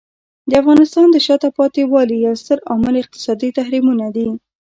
د افغانستان د شاته پاتې والي یو ستر عامل اقتصادي تحریمونه دي.